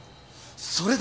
それだ！